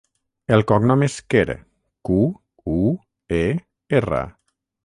El cognom és Quer: cu, u, e, erra.